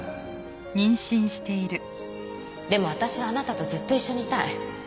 でも私はあなたとずっと一緒にいたい。